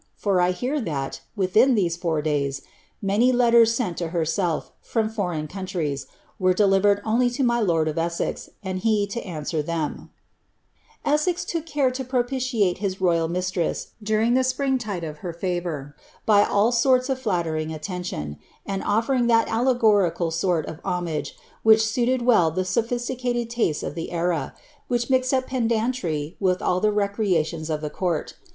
for I hear (bat, within these four days, many letters sent to herself, from foreign countries, were delivered only to my lord of Essex, and he EsseK took care lo propiljale his royal mistress, during the spring iiJe of her favour, by all sorts of ilallering altenlion, and oflering that »lle gorirnl sort of homage wbicli suited well the sophisticated taste of ihe era. that mixed up pedantry with all the recreations of the court.